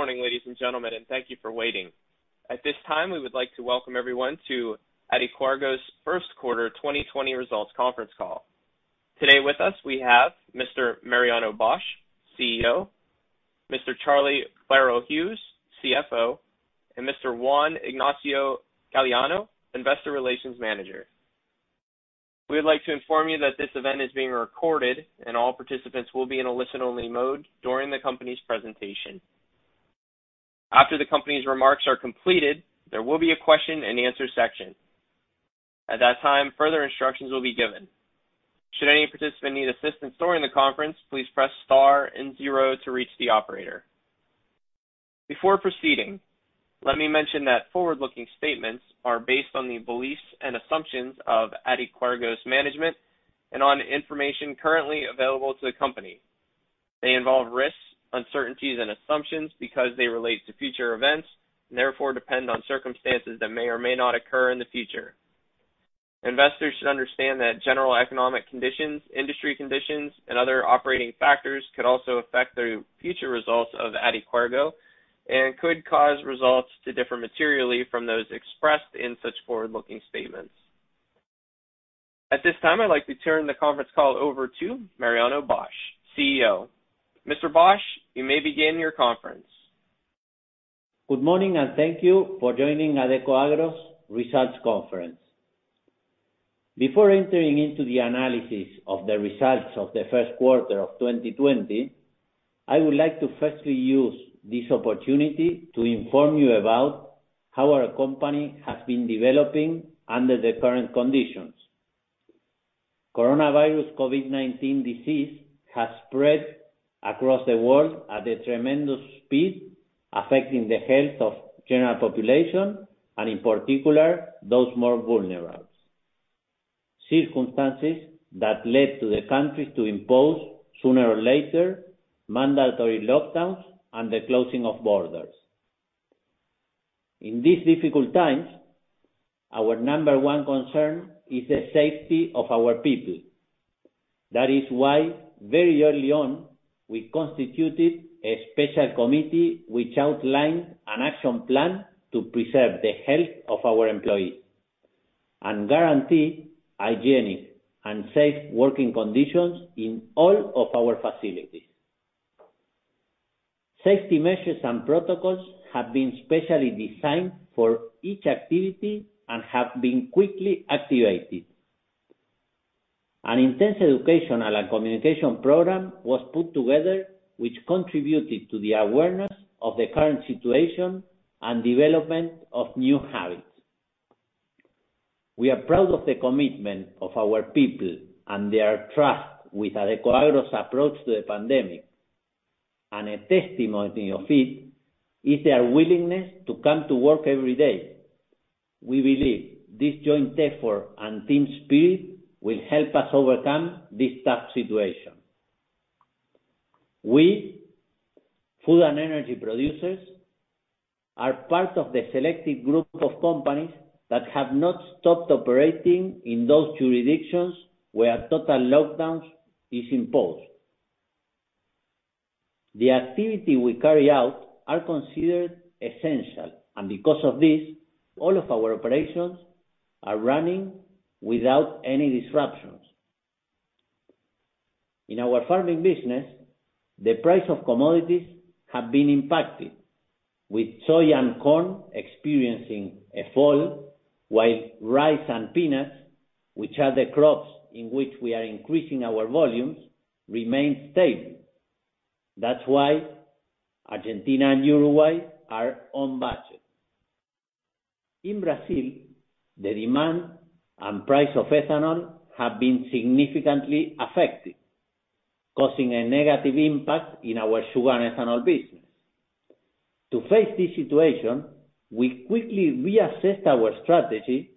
Good morning, ladies and gentlemen, and thank you for waiting. At this time, we would like to welcome everyone to Adecoagro's first quarter 2020 results conference call. Today with us, we have Mr. Mariano Bosch, CEO, Mr. Charlie Boero Hughes, CFO, and Mr. Juan Ignacio Galeano, investor relations manager. We would like to inform you that this event is being recorded and all participants will be in a listen-only mode during the company's presentation. After the company's remarks are completed, there will be a question and answer section. At that time, further instructions will be given. Should any participant need assistance during the conference, please press star and zero to reach the operator. Before proceeding, let me mention that forward-looking statements are based on the beliefs and assumptions of Adecoagro's management and on information currently available to the company. They involve risks, uncertainties, and assumptions because they relate to future events and therefore depend on circumstances that may or may not occur in the future. Investors should understand that general economic conditions, industry conditions, and other operating factors could also affect the future results of Adecoagro and could cause results to differ materially from those expressed in such forward-looking statements. At this time, I'd like to turn the conference call over to Mariano Bosch, CEO. Mr. Bosch, you may begin your conference. Good morning. Thank you for joining Adecoagro's results conference. Before entering into the analysis of the results of the first quarter of 2020, I would like to firstly use this opportunity to inform you about how our company has been developing under the current conditions. Coronavirus COVID-19 disease has spread across the world at a tremendous speed, affecting the health of general population and in particular, those more vulnerable. Circumstances that led to the countries to impose, sooner or later, mandatory lockdowns and the closing of borders. In these difficult times, our number one concern is the safety of our people. That is why very early on, we constituted a special committee which outlined an action plan to preserve the health of our employees and guarantee hygienic and safe working conditions in all of our facilities. Safety measures and protocols have been specially designed for each activity and have been quickly activated. An intense educational and communication program was put together, which contributed to the awareness of the current situation and development of new habits. We are proud of the commitment of our people and their trust with Adecoagro's approach to the pandemic, and a testimony of it is their willingness to come to work every day. We believe this joint effort and team spirit will help us overcome this tough situation. We, food and energy producers, are part of the selected group of companies that have not stopped operating in those jurisdictions where total lockdowns is imposed. The activity we carry out are considered essential, and because of this, all of our operations are running without any disruptions. In our farming business, the price of commodities have been impacted, with soy and corn experiencing a fall, while rice and peanuts, which are the crops in which we are increasing our volumes, remain stable. That's why Argentina and Uruguay are on budget. In Brazil, the demand and price of ethanol have been significantly affected, causing a negative impact in our sugar and ethanol business. To face this situation, we quickly reassessed our strategy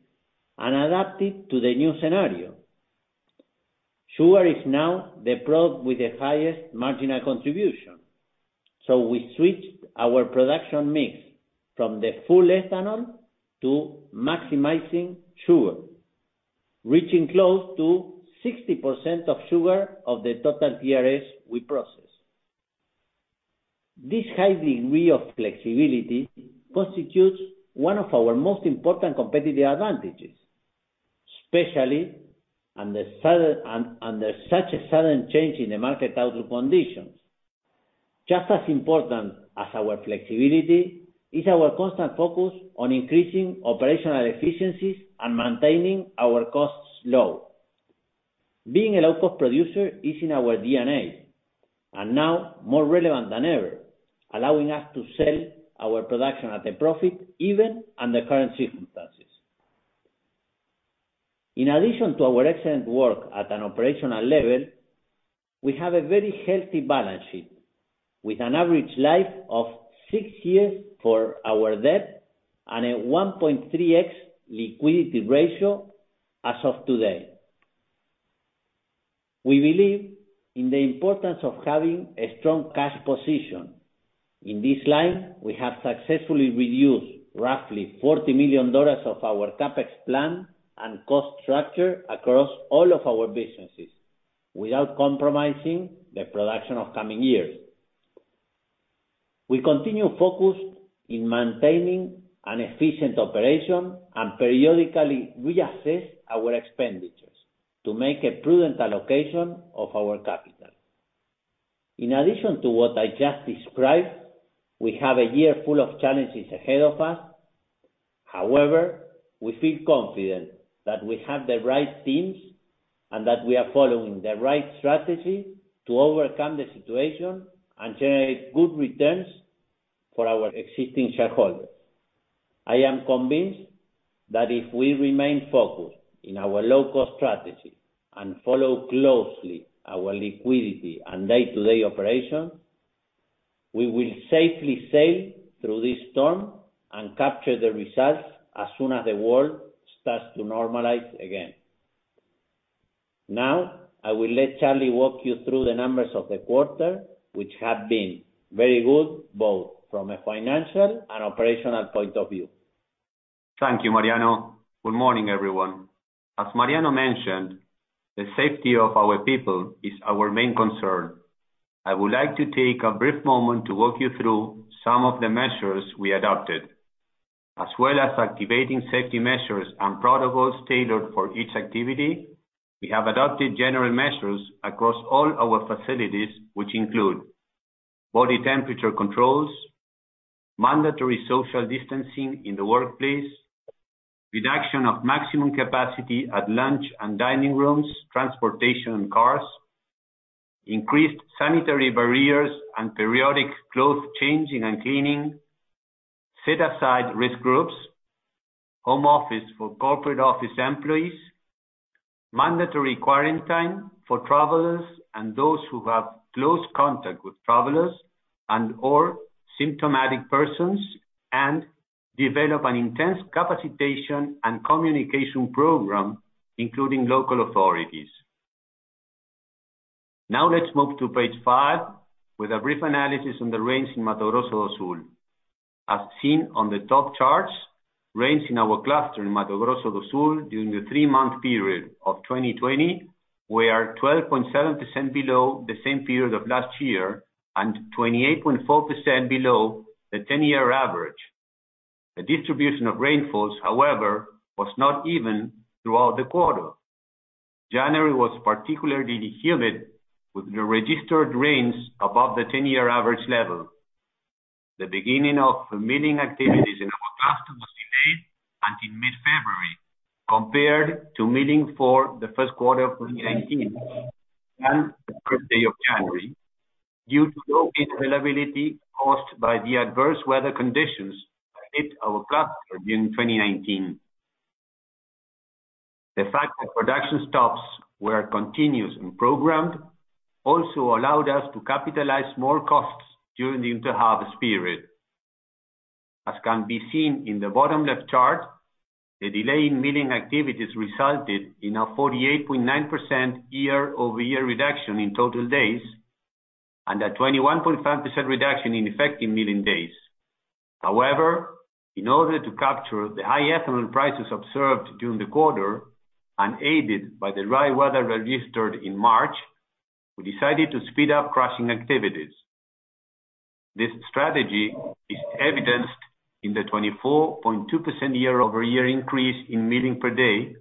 and adapted to the new scenario. Sugar is now the product with the highest marginal contribution, so we switched our production mix from the full ethanol to maximizing sugar, reaching close to 60% of sugar of the total TRS we process. This high degree of flexibility constitutes one of our most important competitive advantages, especially under such a sudden change in the market outlook conditions. Just as important as our flexibility is our constant focus on increasing operational efficiencies and maintaining our costs low. Being a low-cost producer is in our DNA, and now more relevant than ever, allowing us to sell our production at a profit even under current circumstances. In addition to our excellent work at an operational level, we have a very healthy balance sheet with an average life of six years for our debt and a 1.3x liquidity ratio as of today. We believe in the importance of having a strong cash position. In this line, we have successfully reduced roughly $40 million of our CapEx plan and cost structure across all of our businesses. Without compromising the production of coming years. We continue focused in maintaining an efficient operation and periodically reassess our expenditures to make a prudent allocation of our capital. In addition to what I just described, we have a year full of challenges ahead of us. We feel confident that we have the right teams and that we are following the right strategy to overcome the situation and generate good returns for our existing shareholders. I am convinced that if we remain focused on our low-cost strategy and follow closely our liquidity and day-to-day operations, we will safely sail through this storm and capture the results as soon as the world starts to normalize again. I will let Charlie walk you through the numbers of the quarter, which have been very good, both from a financial and operational point of view. Thank you, Mariano. Good morning, everyone. As Mariano mentioned, the safety of our people is our main concern. I would like to take a brief moment to walk you through some of the measures we adopted. As well as activating safety measures and protocols tailored for each activity, we have adopted general measures across all our facilities, which include body temperature controls, mandatory social distancing in the workplace, reduction of maximum capacity at lunch and dining rooms, transportation and cars, increased sanitary barriers and periodic cloth changing and cleaning, set aside risk groups, home office for corporate office employees, mandatory quarantine for travelers and those who have close contact with travelers and/or symptomatic persons, and develop an intense capacitation and communication program, including local authorities. Now let's move to page five with a brief analysis on the rains in Mato Grosso do Sul. As seen on the top charts, rains in our cluster in Mato Grosso do Sul during the 3-month period of 2020 were 12.7% below the same period of last year, and 28.4% below the 10-year average. The distribution of rainfalls, however, was not even throughout the quarter. January was particularly humid, with the registered rains above the 10-year average level. The beginning of the milling activities in our cluster was delayed until mid-February compared to milling for the first quarter of 2019 and the first day of January due to low availability caused by the adverse weather conditions that hit our cluster during 2019. The fact that production stops were continuous and programmed also allowed us to capitalize more costs during the inter-harvest period. As can be seen in the bottom left chart, the delay in milling activities resulted in a 48.9% year-over-year reduction in total days, and a 21.5% reduction in effective milling days. However, in order to capture the high ethanol prices observed during the quarter and aided by the right weather registered in March, we decided to speed up crushing activities. This strategy is evidenced in the 24.2% year-over-year increase in milling per day,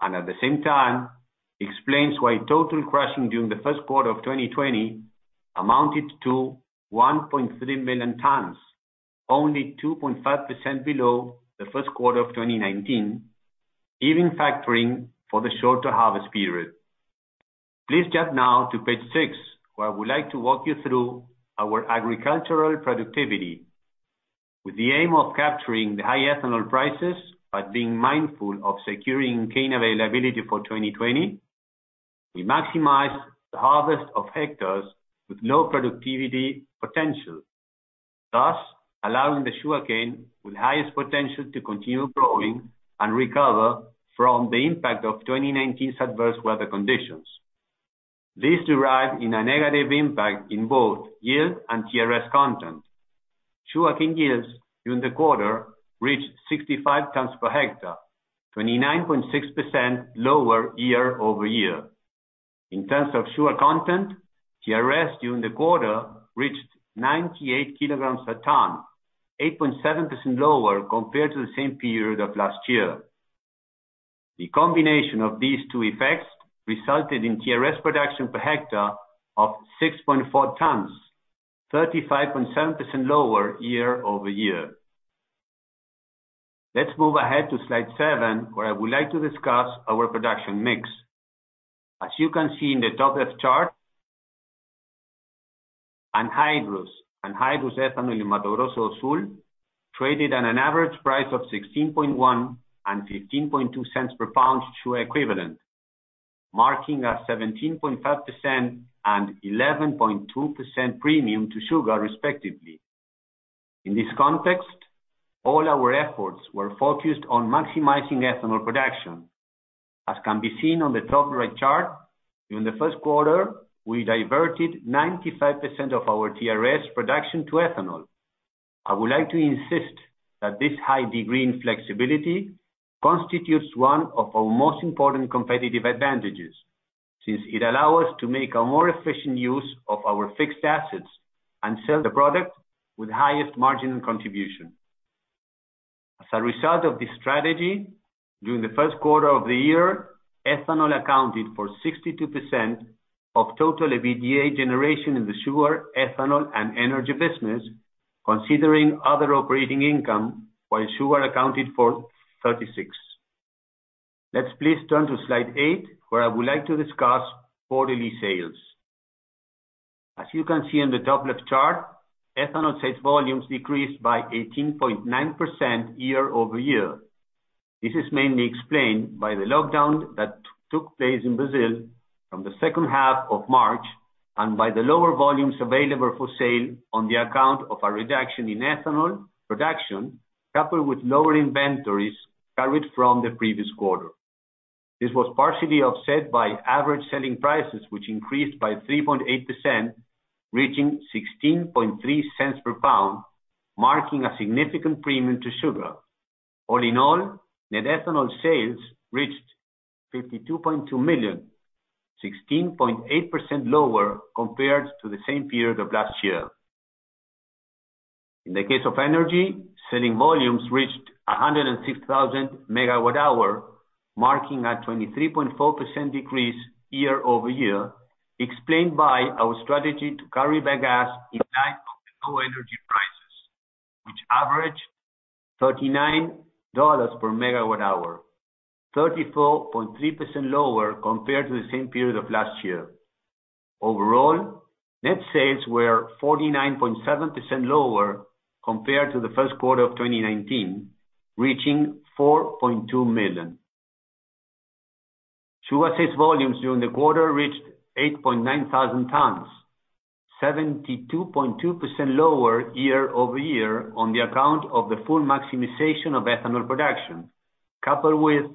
and at the same time explains why total crushing during the first quarter of 2020 amounted to 1.3 million tons, only 2.5% below the first quarter of 2019, even factoring for the shorter harvest period. Please jump now to page six, where I would like to walk you through our agricultural productivity. With the aim of capturing the high ethanol prices, but being mindful of securing cane availability for 2020, we maximize the harvest of hectares with low productivity potential, thus allowing the sugarcane with highest potential to continue growing and recover from the impact of 2019's adverse weather conditions. This derived in a negative impact in both yield and TRS content. Sugarcane yields during the quarter reached 65 tons per hectare, 29.6% lower year-over-year. In terms of sugar content, TRS during the quarter reached 98 kilograms a ton, 8.7% lower compared to the same period of last year. The combination of these two effects resulted in TRS production per hectare of 6.4 tons, 35.7% lower year-over-year. Let's move ahead to slide seven, where I would like to discuss our production mix. As you can see in the top left chart, anhydrous ethanol in Mato Grosso do Sul traded at an average price of $0.161 and $0.152 per pound sugar equivalent, marking a 17.5% and 11.2% premium to sugar respectively. In this context, all our efforts were focused on maximizing ethanol production. As can be seen on the top right chart, during the first quarter, we diverted 95% of our TRS production to ethanol. I would like to insist that this high degree in flexibility constitutes one of our most important competitive advantages, since it allows us to make a more efficient use of our fixed assets and sell the product with highest margin and contribution. As a result of this strategy, during the first quarter of the year, ethanol accounted for 62% of total EBITDA generation in the sugar, ethanol, and energy business, considering other operating income, while sugar accounted for 36%. Let's please turn to slide eight, where I would like to discuss quarterly sales. As you can see on the top left chart, ethanol sales volumes decreased by 18.9% year-over-year. This is mainly explained by the lockdown that took place in Brazil from the second half of March, and by the lower volumes available for sale on the account of a reduction in ethanol production, coupled with lower inventories carried from the previous quarter. This was partially offset by average selling prices, which increased by 3.8%, reaching $0.163 per pound, marking a significant premium to sugar. All in all, net ethanol sales reached $52.2 million, 16.8% lower compared to the same period of last year. In the case of energy, selling volumes reached 106,000 megawatt hour, marking a 23.4% decrease year-over-year, explained by our strategy to carry bagasse in line of the low energy prices, which averaged $39 per megawatt hour, 34.3% lower compared to the same period of last year. Overall, net sales were 49.7% lower compared to the first quarter of 2019, reaching $4.2 million. Sugar sales volumes during the quarter reached 8,900 tons, 72.2% lower year-over-year on the account of the full maximization of ethanol production, coupled with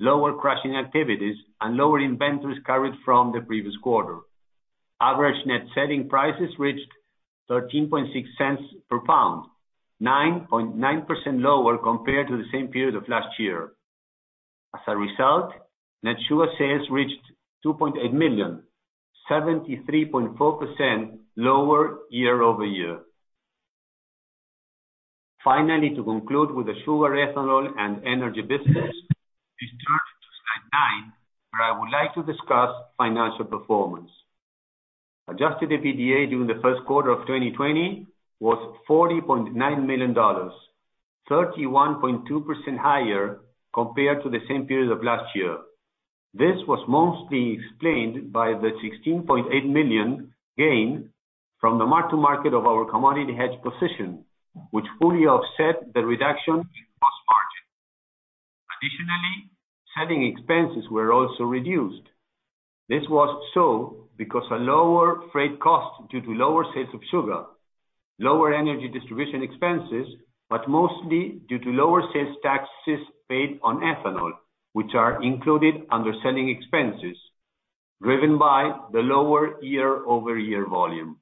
lower crushing activities and lower inventories carried from the previous quarter. Average net selling prices reached $0.136 per pound, 9.9% lower compared to the same period of last year. Net sugar sales reached $2.8 million, 73.4% lower year-over-year. To conclude with the sugar, ethanol, and energy business, please turn to slide nine, where I would like to discuss financial performance. Adjusted EBITDA during the first quarter of 2020 was $40.9 million, 31.2% higher compared to the same period of last year. This was mostly explained by the $16.8 million gain from the mark to market of our commodity hedge position, which fully offset the reduction cost margin. Selling expenses were also reduced. This was so because a lower freight cost due to lower sales of sugar, lower energy distribution expenses, but mostly due to lower sales taxes paid on ethanol, which are included under selling expenses, driven by the lower year-over-year volume.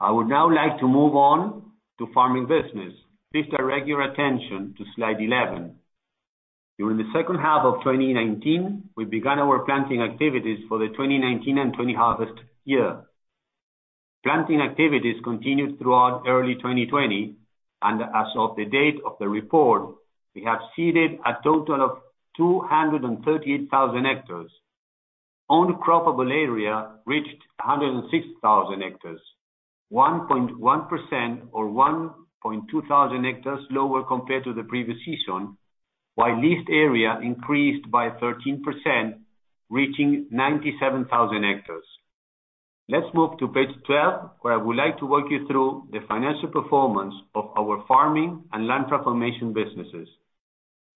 I would now like to move on to farming business. Please direct your attention to slide 11. During the second half of 2019, we began our planting activities for the 2019 and 2020 harvest year. Planting activities continued throughout early 2020, and as of the date of the report, we have seeded a total of 238,000 hectares. Own crop of area reached 106,000 hectares, 1.1% or 1.2 thousand hectares lower compared to the previous season, while leased area increased by 13%, reaching 97,000 hectares. Let's move to page 12, where I would like to walk you through the financial performance of our farming and land transformation businesses.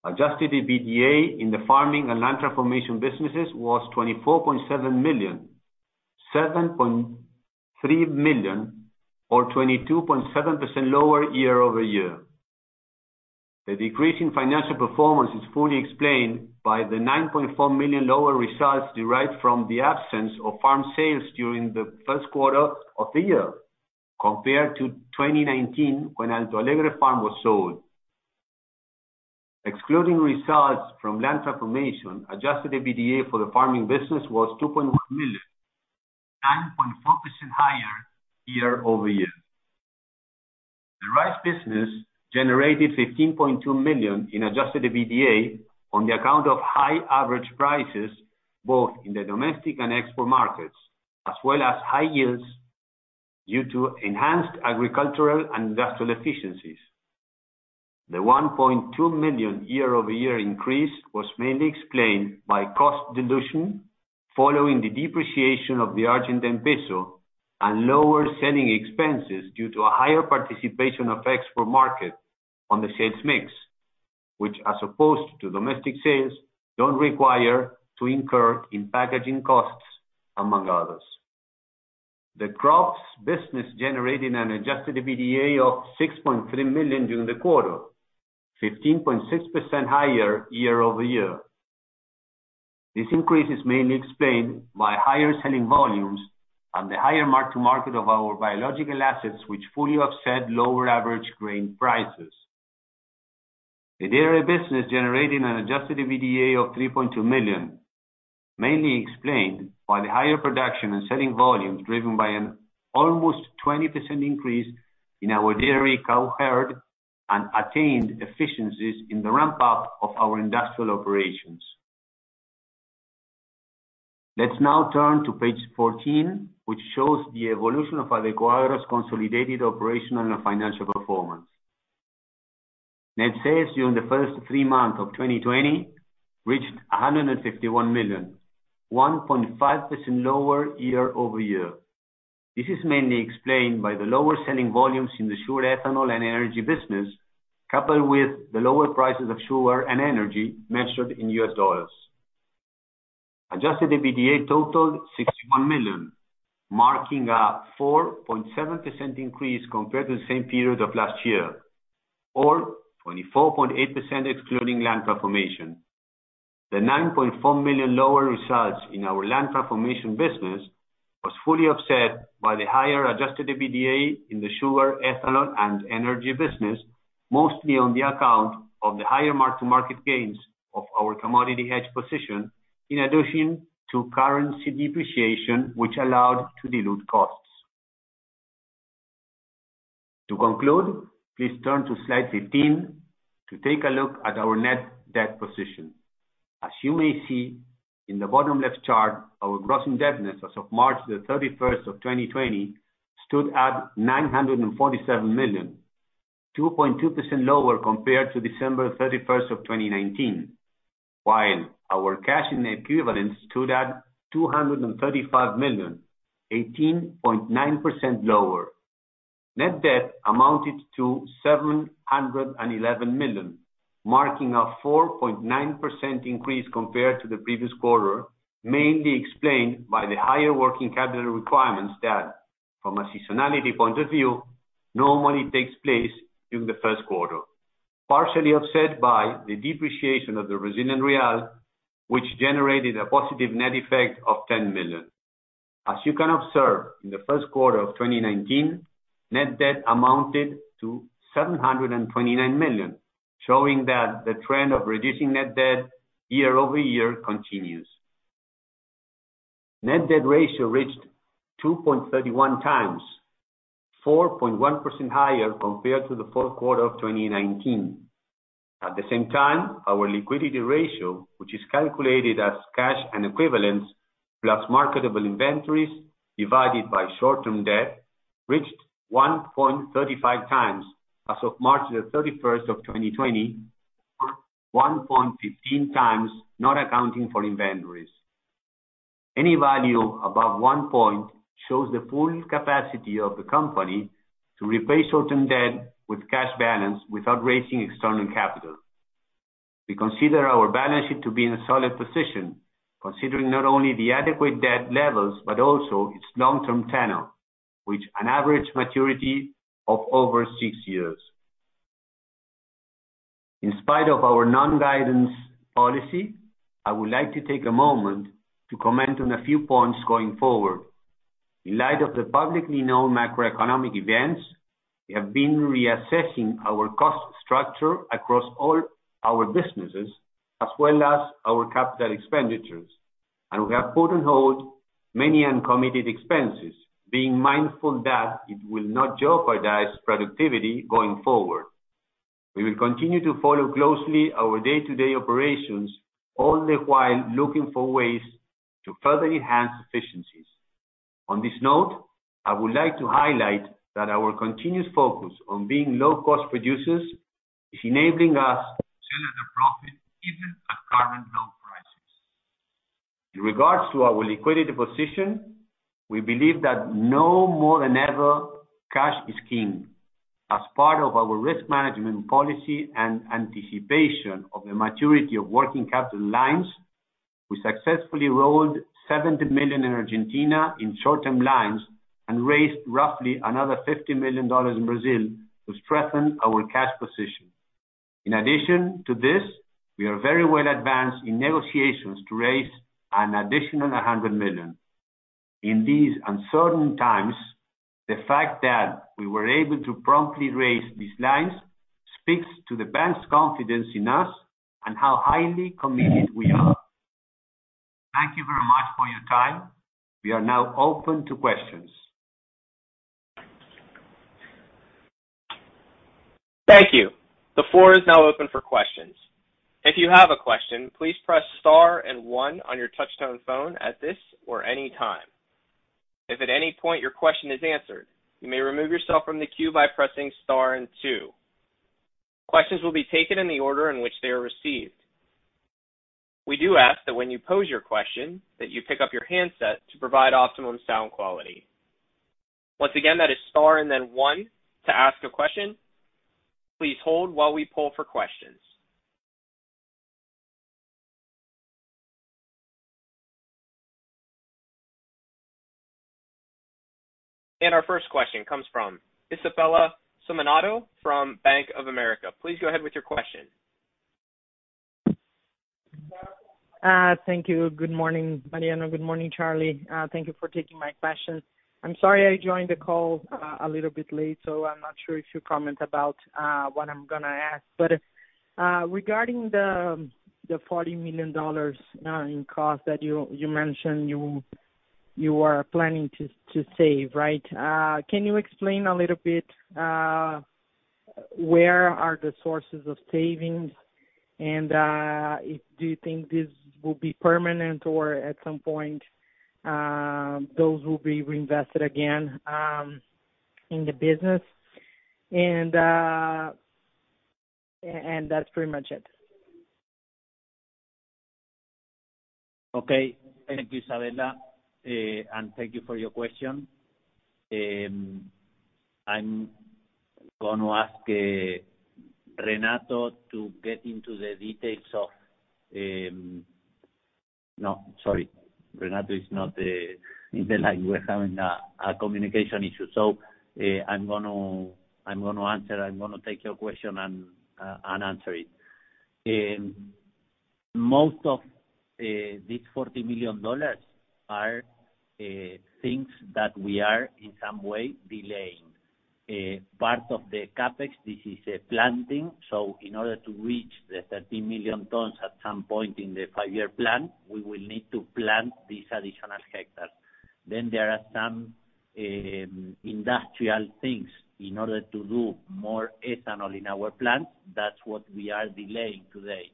Adjusted EBITDA in the farming and land transformation businesses was $24.7 million, $7.3 million or 22.7% lower year-over-year. The decrease in financial performance is fully explained by the $9.4 million lower results derived from the absence of farm sales during Q1 2020, compared to 2019, when Alto Alegre farm was sold. Excluding results from land transformation, adjusted EBITDA for the farming business was $2.1 million, 9.4% higher year-over-year. The rice business generated $15.2 million in adjusted EBITDA on the account of high average prices, both in the domestic and export markets, as well as high yields due to enhanced agricultural and industrial efficiencies. The $1.2 million year-over-year increase was mainly explained by cost dilution following the depreciation of the Argentine peso and lower selling expenses due to a higher participation of export market on the sales mix, which as opposed to domestic sales, don't require to incur in packaging costs, among others. The crops business generating an adjusted EBITDA of $6.3 million during the quarter, 15.6% higher year-over-year. This increase is mainly explained by higher selling volumes and the higher mark to market of our biological assets, which fully offset lower average grain prices. The dairy business generated an adjusted EBITDA of $3.2 million, mainly explained by the higher production and selling volumes, driven by an almost 20% increase in our dairy cow herd and attained efficiencies in the ramp-up of our industrial operations. Let's now turn to page 14, which shows the evolution of Adecoagro's consolidated operational and financial performance. Net sales during the first three months of 2020 reached $151 million, 1.5% lower year-over-year. This is mainly explained by the lower selling volumes in the sugar, ethanol, and energy business, coupled with the lower prices of sugar and energy measured in U.S. dollars. Adjusted EBITDA totaled $61 million, marking a 4.7% increase compared to the same period of last year, or 24.8% excluding land transformation. The $9.4 million lower results in our land transformation business was fully offset by the higher adjusted EBITDA in the Sugar, Ethanol, and Energy Business, mostly on the account of the higher mark-to-market gains of our commodity hedge position, in addition to currency depreciation, which allowed to dilute costs. Please turn to slide 15 to take a look at our net debt position. As you may see in the bottom left chart, our gross indebtedness as of March the 31st of 2020 stood at $947 million, 2.2% lower compared to December 31st of 2019, while our cash and equivalents stood at $235 million, 18.9% lower. Net debt amounted to $711 million, marking a 4.9% increase compared to the previous quarter, mainly explained by the higher working capital requirements that, from a seasonality point of view, normally takes place during the first quarter, partially offset by the depreciation of the Brazilian real, which generated a positive net effect of $10 million. As you can observe, in the first quarter of 2019, net debt amounted to $729 million, showing that the trend of reducing net debt year-over-year continues. Net debt ratio reached 2.31 times, 4.1% higher compared to the fourth quarter of 2019. At the same time, our liquidity ratio, which is calculated as cash and equivalents plus marketable inventories divided by short-term debt, reached 1.35 times as of March 31st, 2020, 1.15 times not accounting for inventories. Any value above one point shows the full capacity of the company to replace short-term debt with cash balance without raising external capital. We consider our balance sheet to be in a solid position, considering not only the adequate debt levels, but also its long-term tenor, with an average maturity of over six years. In spite of our non-guidance policy, I would like to take a moment to comment on a few points going forward. In light of the publicly known macroeconomic events, we have been reassessing our cost structure across all our businesses as well as our capital expenditures, and we have put on hold many uncommitted expenses, being mindful that it will not jeopardize productivity going forward. We will continue to follow closely our day-to-day operations, all the while looking for ways to further enhance efficiencies. On this note, I would like to highlight that our continuous focus on being low-cost producers is enabling us to generate a profit even at current low prices. In regards to our liquidity position, we believe that no more than ever, cash is king. As part of our risk management policy and anticipation of the maturity of working capital lines, we successfully rolled $70 million in Argentina in short-term lines and raised roughly another $50 million in Brazil to strengthen our cash position. In addition to this, we are very well advanced in negotiations to raise an additional $100 million. In these uncertain times, the fact that we were able to promptly raise these lines speaks to the bank's confidence in us and how highly committed we are. Thank you very much for your time. We are now open to questions. Thank you. The floor is now open for questions. If you have a question, please press star and one on your touch-tone phone at this or any time. If at any point your question is answered, you may remove yourself from the queue by pressing star and two. Questions will be taken in the order in which they are received. We do ask that when you pose your question, that you pick up your handset to provide optimum sound quality. Once again, that is star and then one to ask a question. Please hold while we poll for questions. Our first question comes from Isabella Simonato from Bank of America. Please go ahead with your question. Thank you. Good morning, Mariano. Good morning, Charlie. Thank you for taking my question. I'm sorry I joined the call a little bit late. I'm not sure if you comment about what I'm going to ask. Regarding the $40 million in cost that you mentioned you are planning to save, right? Can you explain a little bit, where are the sources of savings and do you think this will be permanent or at some point those will be reinvested again in the business? That's pretty much it. Thank you, Isabella, and thank you for your question. I'm going to ask Renato to get into the details of No, sorry, Renato is not in the line. We're having a communication issue. I'm going to answer. I'm going to take your question and answer it. Most of this $40 million are things that we are, in some way, delaying. Part of the CapEx, this is a planting. In order to reach the 13 million tons at some point in the five-year plan, we will need to plant these additional hectares. There are some industrial things in order to do more ethanol in our plant. That's what we are delaying today.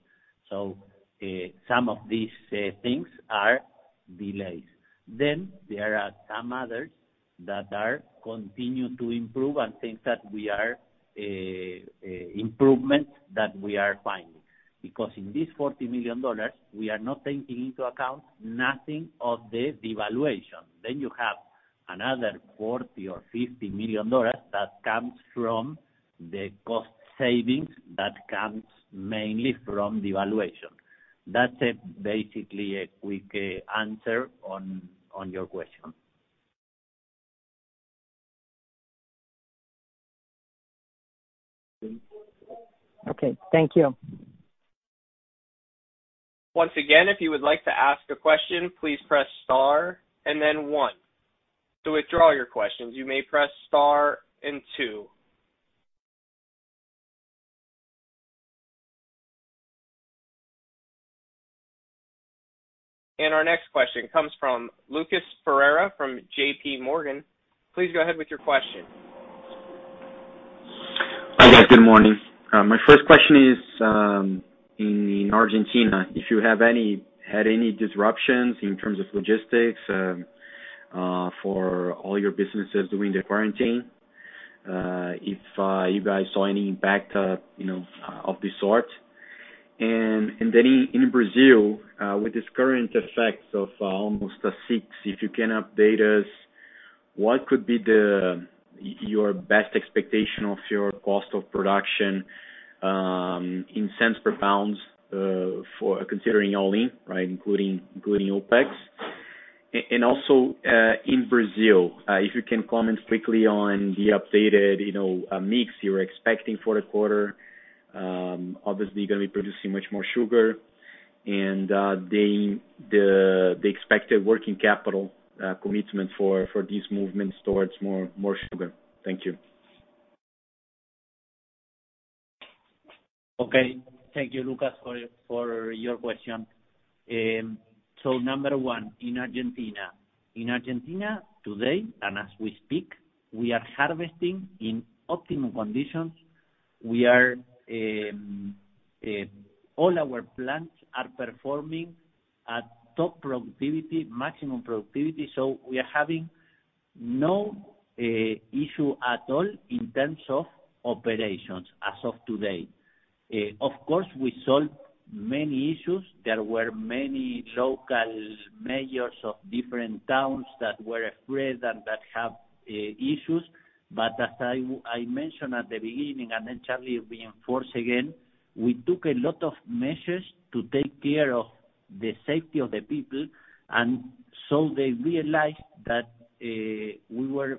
Some of these things are delays. There are some others that are continue to improve and things that we are improvement that we are finding, because in this $40 million, we are not taking into account nothing of the devaluation. You have another $40 million or $50 million that comes from the cost savings that comes mainly from devaluation. That's it, basically, a quick answer on your question. Okay. Thank you. Once again, if you would like to ask a question, please press star and then one. To withdraw your questions, you may press star and two. Our next question comes from Lucas Ferreira from JPMorgan. Please go ahead with your question. Hi, guys. Good morning. My first question is, in Argentina, if you had any disruptions in terms of logistics for all your businesses during the quarantine, if you guys saw any impact of this sort. In Brazil, with this current effects of almost a six, if you can update us, what could be your best expectation of your cost of production, in cents per pounds, considering all in, right, including OpEx. Also, in Brazil, if you can comment quickly on the updated mix you're expecting for the quarter. Obviously, you're going to be producing much more sugar and the expected working capital commitment for these movements towards more sugar. Thank you. Thank you, Lucas, for your question. Number 1, in Argentina. In Argentina, today, and as we speak, we are harvesting in optimum conditions. All our plants are performing at top productivity, maximum productivity. We are having no issue at all in terms of operations as of today. Of course, we solved many issues. There were many local mayors of different towns that were afraid and that have issues. As I mentioned at the beginning, Charlie reinforced again, we took a lot of measures to take care of the safety of the people. They realized that we were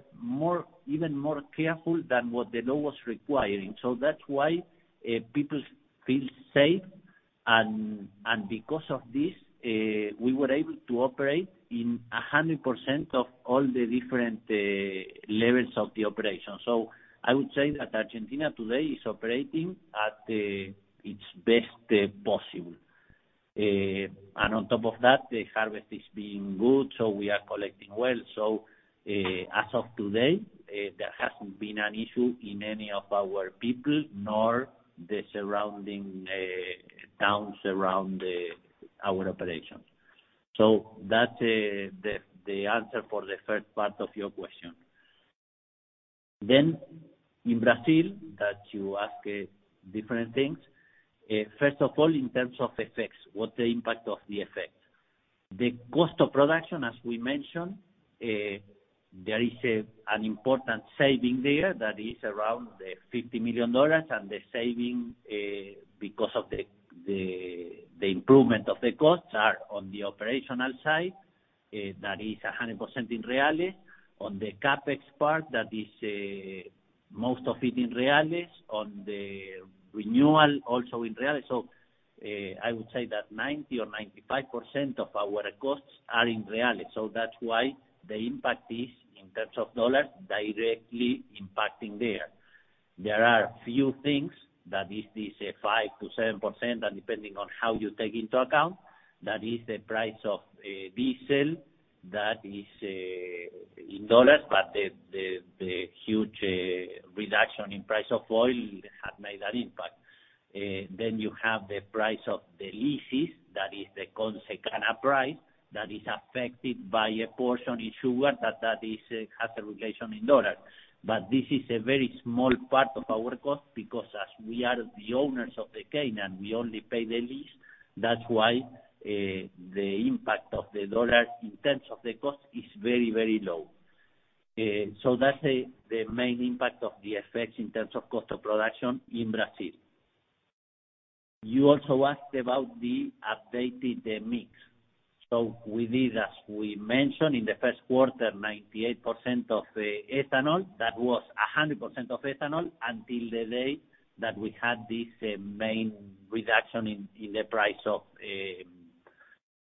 even more careful than what the law was requiring. That's why people feel safe. Because of this, we were able to operate in 100% of all the different levels of the operation. I would say that Argentina today is operating at its best possible. On top of that, the harvest is being good, so we are collecting well. As of today, there hasn't been an issue in any of our people nor the surrounding towns around our operations. That's the answer for the first part of your question. In Brazil, that you ask different things. First of all, in terms of effects, what the impact of the effect. The cost of production, as we mentioned, there is an important saving there that is around $50 million, and the saving because of the improvement of the costs are on the operational side. That is 100% in BRL. On the CapEx part, that is most of it in BRL. On the renewal, also in BRL. I would say that 90% or 95% of our costs are in BRL. That's why the impact is, in terms of $, directly impacting there. There are a few things, that is this 5%-7%, and depending on how you take into account, that is the price of diesel. That is in $, but the huge reduction in price of oil had made that impact. You have the price of the leases, that is the Consecana price, that is affected by a portion in sugar, that has a relation in $. This is a very small part of our cost, because as we are the owners of the cane and we only pay the lease, that's why the impact of the $ in terms of the cost is very low. That's the main impact of the effects in terms of cost of production in Brazil. You also asked about the updated mix. We did, as we mentioned, in the first quarter, 98% of the ethanol. That was 100% of ethanol until the day that we had this main reduction in the price of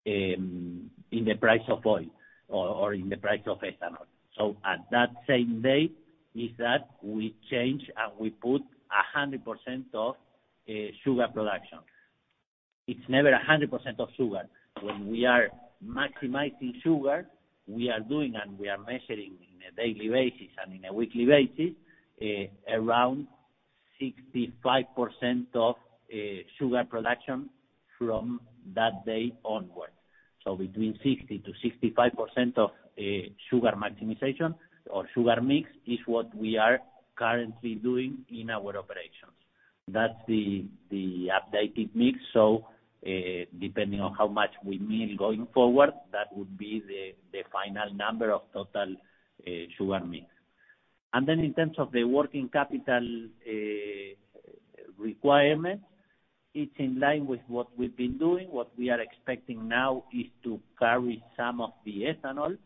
oil or in the price of ethanol. At that same day is that we changed, and we put 100% of sugar production. It's never 100% of sugar. When we are maximizing sugar, we are doing and we are measuring in a daily basis and in a weekly basis, around 65% of sugar production from that day onwards. Between 60%-65% of sugar maximization or sugar mix is what we are currently doing in our operations. That's the updated mix. Depending on how much we mill going forward, that would be the final number of total sugar mix. In terms of the working capital requirement, it's in line with what we've been doing. What we are expecting now is to carry some of the ethanol.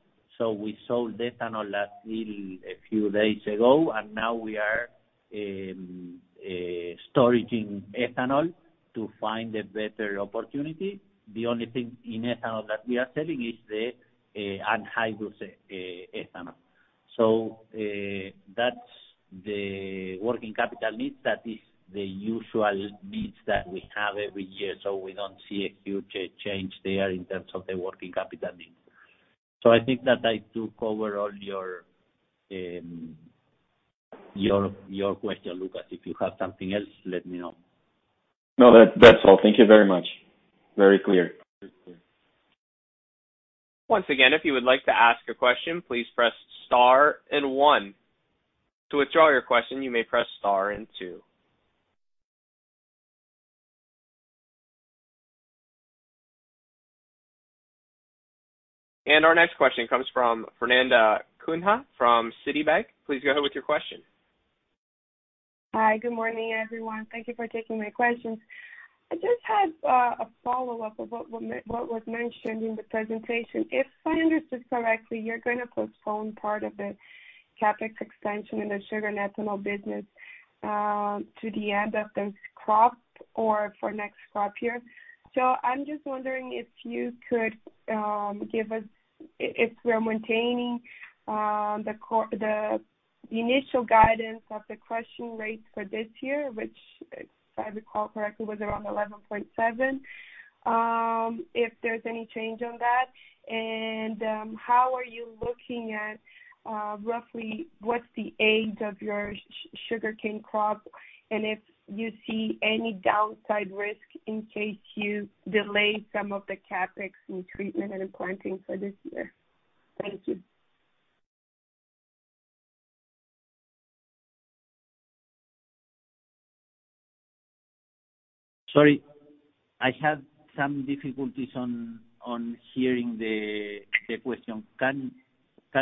We sold ethanol until a few days ago, and now we are storing ethanol to find a better opportunity. The only thing in ethanol that we are selling is the anhydrous ethanol. That's the working capital needs. That is the usual needs that we have every year. We don't see a huge change there in terms of the working capital needs. I think that I do cover all your question, Lucas. If you have something else, let me know. No, that's all. Thank you very much. Very clear. Once again, if you would like to ask a question, please press star and one. To withdraw your question, you may press star and two. Our next question comes from Fernanda Cunha from Citibank. Please go ahead with your question. Hi, good morning, everyone. Thank you for taking my questions. I just had a follow-up of what was mentioned in the presentation. If I understood correctly, you're going to postpone part of the CapEx expansion in the sugar and ethanol business to the end of this crop or for next crop year. I'm just wondering if you could give us if we're maintaining the initial guidance of the crushing rates for this year, which, if I recall correctly, was around 11.7, if there's any change on that, and how are you looking at roughly what's the age of your sugarcane crop, and if you see any downside risk in case you delay some of the CapEx in treatment and in planting for this year. Thank you. Sorry, I had some difficulties on hearing the question. Can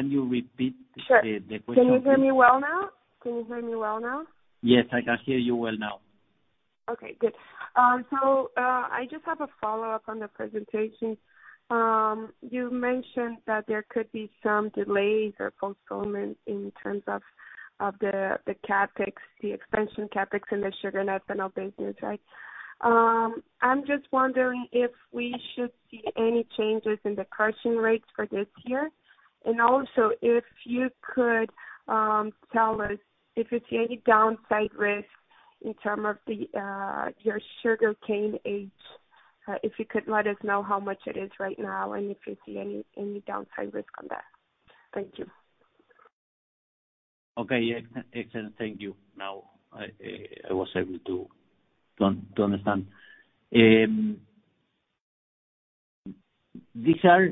you repeat the question please? Sure. Can you hear me well now? Yes, I can hear you well now. Okay, good. I just have a follow-up on the presentation. You mentioned that there could be some delays or postponement in terms of the expansion CapEx in the sugar and ethanol business, right? I'm just wondering if we should see any changes in the crushing rates for this year. Also if you could tell us if you see any downside risk in terms of your sugarcane age. If you could let us know how much it is right now, and if you see any downside risk on that. Thank you. Okay, yeah. Excellent. Thank you. I was able to understand. These are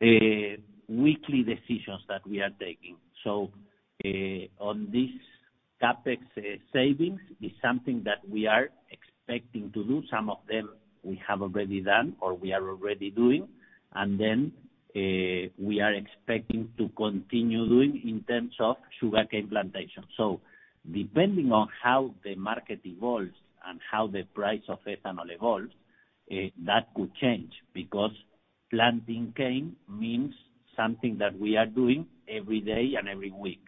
weekly decisions that we are taking. On this CapEx savings is something that we are expecting to do. Some of them we have already done or we are already doing. We are expecting to continue doing in terms of sugarcane plantation. Depending on how the market evolves and how the price of ethanol evolves, that could change, because planting cane means something that we are doing every day and every week.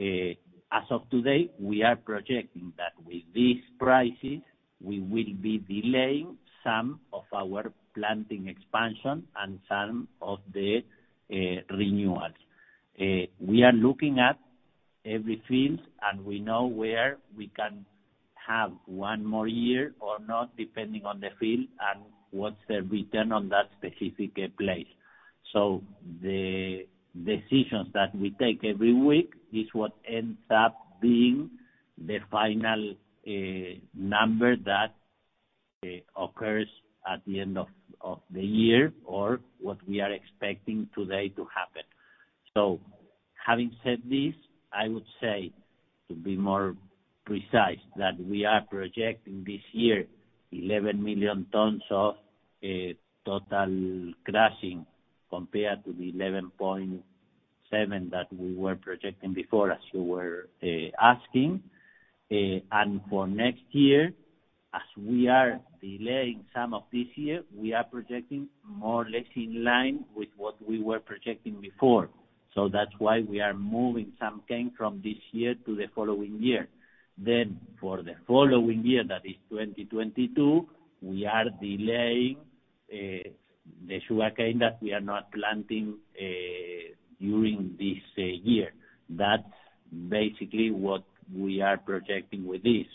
As of today, we are projecting that with these prices, we will be delaying some of our planting expansion and some of the renewals. We are looking at every field, and we know where we can have one more year or not, depending on the field and what's the return on that specific place. The decisions that we take every week is what ends up being the final number that occurs at the end of the year or what we are expecting today to happen. Having said this, I would say, to be more precise, that we are projecting this year 11 million tons of total crushing compared to the 11.7 that we were projecting before, as you were asking. For next year, as we are delaying some of this year, we are projecting more or less in line with what we were projecting before. That's why we are moving some cane from this year to the following year. For the following year, that is 2022, we are delaying the sugarcane that we are not planting during this year. That's basically what we are projecting with this.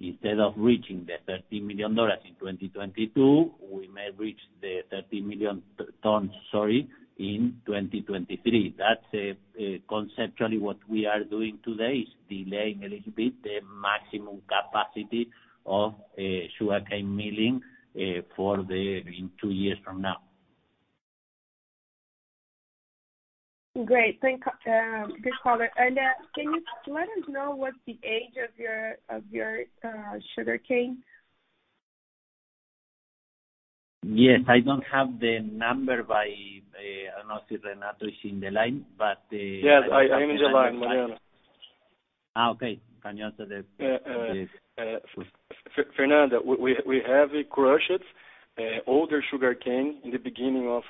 instead of reaching the $30 million in 2022, we may reach the 30 million tons, sorry, in 2023. That's conceptually what we are doing today, is delaying a little bit the maximum capacity of sugarcane milling in two years from now. Great. Thanks for the call. Can you let us know what the age of your sugarcane? Yes. I don't have the number by I don't know if Renato is in the line. Yes, I'm in the line, Mariano. Okay. Can you answer? Fernanda, we have crushed older sugarcane in the beginning of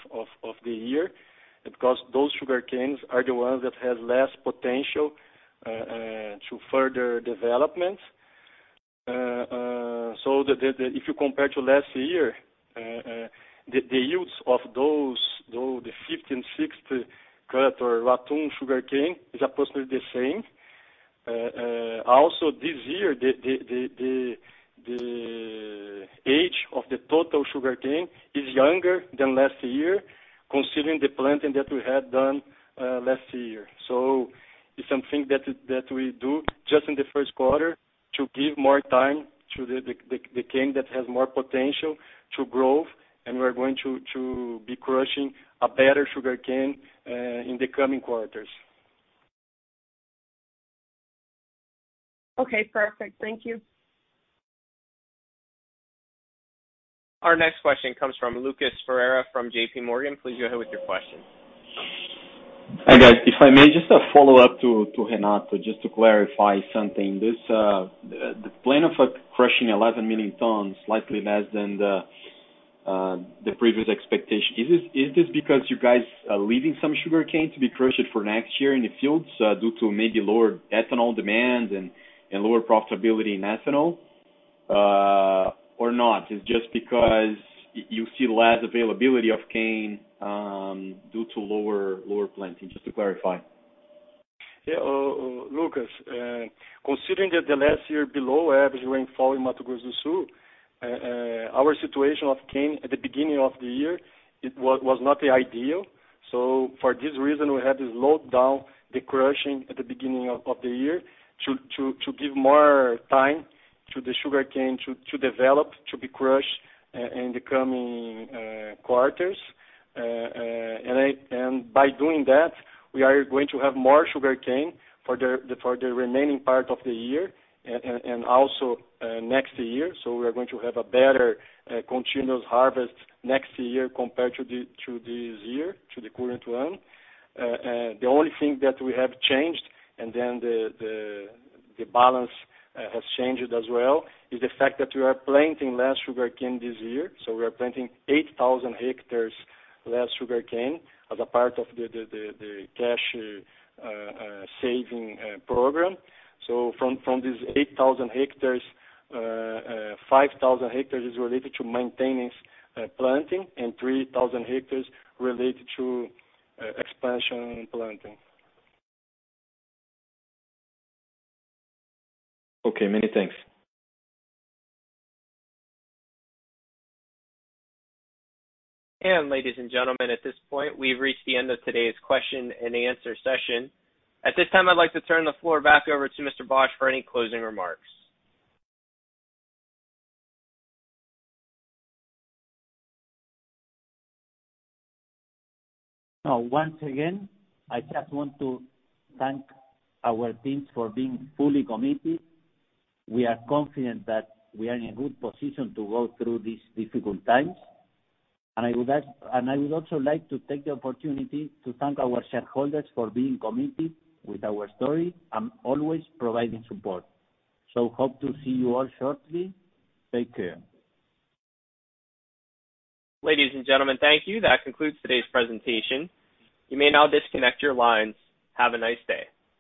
the year because those sugarcanes are the ones that have less potential to further development. If you compare to last year, the yields of those, the fifth and sixth cut or ratoon sugarcane is approximately the same. Also this year, the age of the total sugarcane is younger than last year, considering the planting that we had done last year. It's something that we do just in the first quarter to give more time to the cane that has more potential to grow. We're going to be crushing a better sugarcane in the coming quarters. Okay, perfect. Thank you. Our next question comes from Lucas Ferreira from J.P. Morgan. Please go ahead with your question. Hi, guys. If I may, just a follow-up to Renato, just to clarify something. The plan of crushing 11 million tons, slightly less than the previous expectation, is this because you guys are leaving some sugarcane to be crushed for next year in the fields due to maybe lower ethanol demand and lower profitability in ethanol or not? It's just because you see less availability of cane due to lower planting? Just to clarify. Lucas, considering that the last year below average rainfall in Mato Grosso do Sul, our situation of cane at the beginning of the year, it was not ideal. For this reason, we had to slow down the crushing at the beginning of the year to give more time to the sugarcane to develop, to be crushed in the coming quarters. By doing that, we are going to have more sugarcane for the remaining part of the year and also next year. We are going to have a better continuous harvest next year compared to this year, to the current one. The only thing that we have changed, and then the balance has changed as well, is the fact that we are planting less sugarcane this year. We are planting 8,000 hectares less sugarcane as a part of the cash saving program. From these 8,000 hectares, 5,000 hectares is related to maintaining planting and 3,000 hectares related to expansion planting. Okay. Many thanks. Ladies and gentlemen, at this point, we've reached the end of today's question and answer session. At this time, I'd like to turn the floor back over to Mr. Bosch for any closing remarks. Once again, I just want to thank our teams for being fully committed. We are confident that we are in a good position to go through these difficult times. I would also like to take the opportunity to thank our shareholders for being committed with our story and always providing support. Hope to see you all shortly. Take care. Ladies and gentlemen, thank you. That concludes today's presentation. You may now disconnect your lines. Have a nice day.